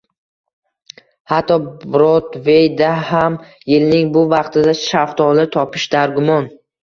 Hatto Brodveyda ham yilning bu vaqtida shaftoli topish dargumon